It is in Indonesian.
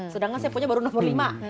sedangkan sepunya baru nomor lima